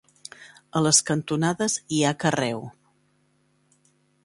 A les cantonades hi ha carreu.